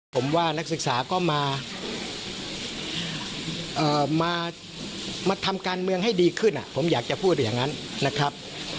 ผมว่านักศึกษาก็มาทำการเมืองให้ดีขึ้นผมอยากจะพูดอย่างนั้นนะครับ